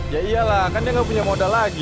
ya iyalah kan dia gak punya modal lagi